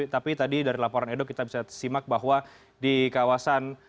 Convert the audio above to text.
tapi tadi dari laporan edo kita bisa simak bahwa di kawasan